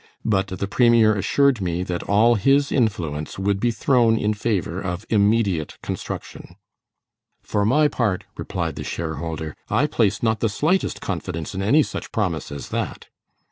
"But the premier assured me that all his influence would be thrown in favor of immediate construction." "For my part," replied the share holder, "I place not the slightest confidence in any such promise as that."